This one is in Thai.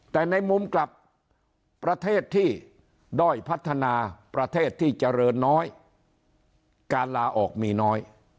แต่ในมุมกลับประเทศที่ด้อยพัฒนาประเทศที่เจริญน้อยการลาออกมีน้อย